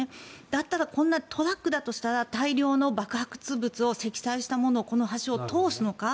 だったらトラックだとしたら大量の爆発物を積載したものをこの橋を通すのか。